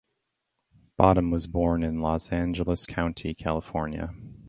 Bottum was born in Los Angeles County, California.